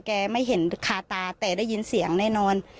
ไม่เห็นคาตาแต่ได้ยินเสียงแน่นอน